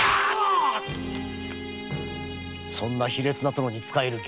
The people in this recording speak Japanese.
そんな卑劣な殿に仕える義理はない。